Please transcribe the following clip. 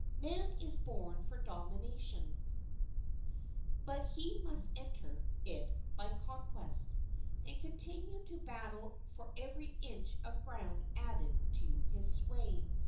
Man is born for dominion; but he must enter it by conquest, and continue to do battle for every inch of ground added to his sway.